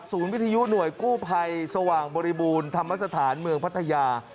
วิทยุหน่วยกู้ภัยสว่างบริบูรณ์ธรรมสถานเมืองพัทยา